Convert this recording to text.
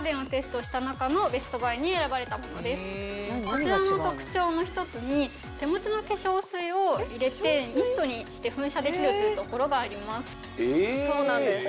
こちらの特徴の一つに手持ちの化粧水を入れてミストにして噴射できるというところがあります。